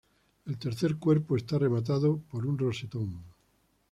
El tercer cuerpo, está rematado por un rosetón.